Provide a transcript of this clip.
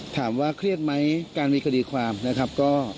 ถามว่าเครียดไหมการมีคดีความนะครับ